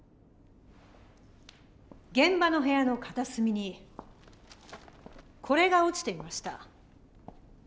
現場の部屋の片隅にこれが落ちていました。